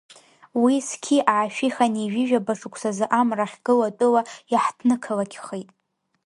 Уи зқьи аашәи ханеижәижәба шықәсазы Амра Ахьгыло Атәыла иаҳҭнықалақьхеит.